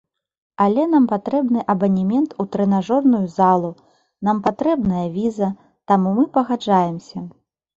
Але нам патрэбны абанемент у трэнажорную залу, нам патрэбная віза, таму мы пагаджаемся.